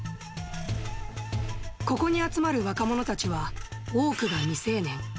ここに集まる若者たちは、多くが未成年。